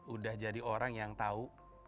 udah jadi orang yang tahu